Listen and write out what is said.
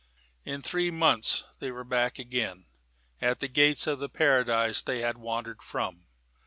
In three months they were back again at the gates of the paradise they had wandered from.